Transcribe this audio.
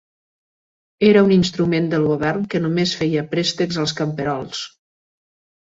Era un instrument del govern que només feia préstecs als camperols.